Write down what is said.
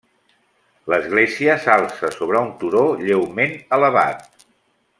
L'església s'alça sobre un turó lleument elevat.